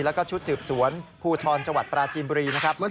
และชุดสืบสวนภูทรจวัตรปราจีนบุรีนะครับ